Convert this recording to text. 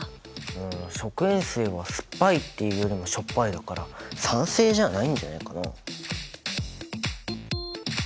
うん食塩水は酸っぱいっていうよりもしょっぱいだから酸性じゃないんじゃないかな。